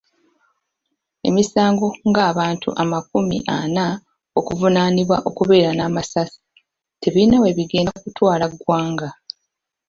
Emisango ng‘abantu makumi ana okuvunaanibwa okubeera n'amasasi tebirina we bigenda kutwala ggwanga.